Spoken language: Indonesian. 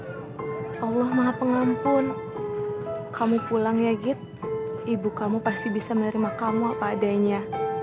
hai allah maha pengampun kamu pulang ya git ibu kamu pasti bisa menerima kamu apa adanya